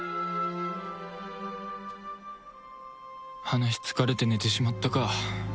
話し疲れて寝てしまったか